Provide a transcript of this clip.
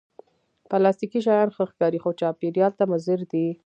پلاستيکي شیان ښه ښکاري، خو چاپېریال ته مضر دي